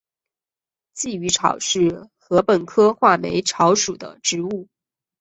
鲫鱼草是禾本科画眉草属的植物。